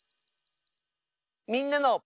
「みんなの」。